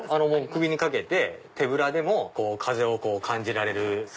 首に掛けて手ぶらでも風を感じられる。